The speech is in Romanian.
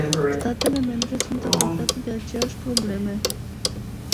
Statele membre sunt afectate de aceleași probleme.